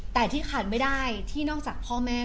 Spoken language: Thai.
แต่ที่ขาดไม่ได้ที่นอกจากพ่อแม่